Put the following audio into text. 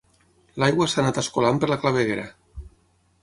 L'aigua s'ha anat escolant per la claveguera.